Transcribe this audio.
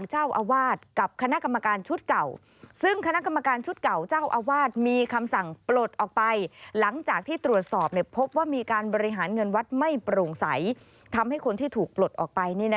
หารเงินวัดไม่โปร่งใสทำให้คนที่ถูกปลดออกไป